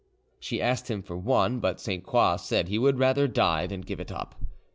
She asked him for one, but Sainte Croix said he would rather die than give it up.